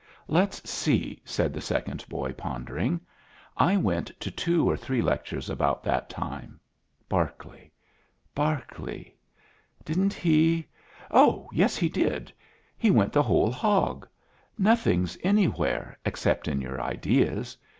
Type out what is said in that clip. "Let's see," said the second boy, pondering; "I went to two or three lectures about that time. Berkeley Berkeley. Didn't he oh, yes! he did. He went the whole hog. Nothing's anywhere except in your ideas.